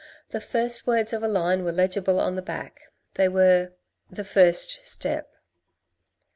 The two first words of a line were legible on the back, they were, " The First Step."